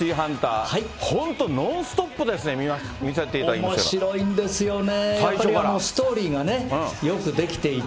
今回のシティーハンター、本当、ノンストップですね、見せておもしろいんですよね。